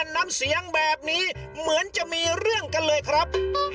น้ำเสียงแบบนี้เหมือนจะมีเรื่องกันเลยครับ